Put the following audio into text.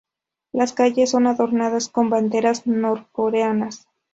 Las calles son adornadas con banderas norcoreanas.